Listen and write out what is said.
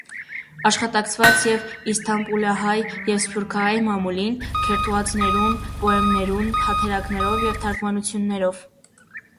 Աշխատակցած է իսթանպուլահայ եւ սփիւռքահայ մամուլին՝ քերթուածներով, պոէմաներով, թատերակներով եւ թարգմանութիւններով։